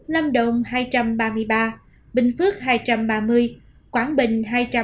lâm động hai trăm ba mươi ba bình phước hai trăm ba mươi quảng bình hai trăm một mươi ba